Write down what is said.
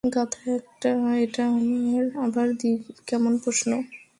গাধা, এটা আবার কেমন প্রশ্ন?